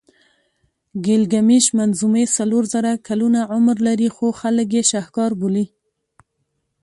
د ګیلګمېش منظومې څلور زره کلونه عمر لري خو خلک یې شهکار بولي.